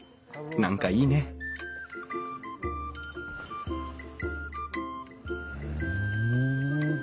何かいいねふん。